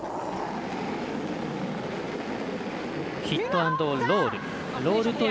ヒットアンドロール。